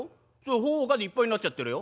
『ほうが』でいっぱいになっちゃってるよ」。